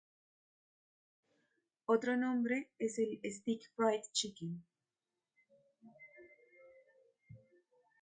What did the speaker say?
Otro nombre es el "steak fried chicken.